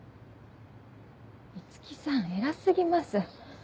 五木さん偉過ぎます。